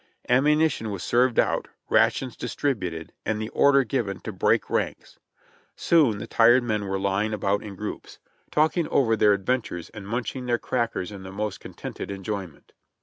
Ammunition was served out, rations distributed, and the order given to "break ranks." Soon the tired men were lying about in groups, talking BULL RUN 61 over their adventures and munching their crackers in the most contented enjoyment.